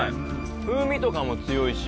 風味とかも強いし。